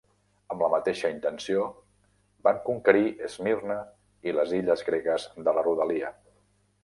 Amb la mateixa intenció van conquerir Esmirna i les illes gregues de la rodalia.